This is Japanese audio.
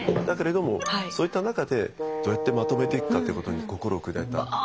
だけれどもそういった中でどうやってまとめていくかっていうことに心を砕いた。